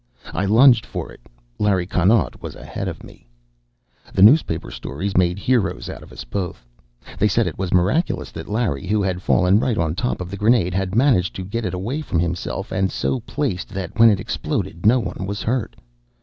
I lunged for it. Larry Connaught was ahead of me. The newspaper stories made heroes out of both of us. They said it was miraculous that Larry, who had fallen right on top of the grenade, had managed to get it away from himself and so placed that when it exploded no one was hurt.